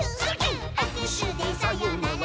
「あくしゅでさよなら」